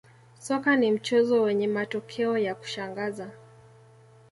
soka ni mchezo wenye matokeo ya kushangaza